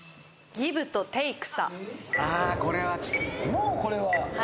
もうこれは。